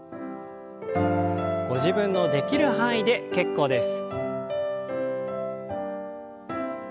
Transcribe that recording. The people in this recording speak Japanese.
ご自分のできる範囲で結構です。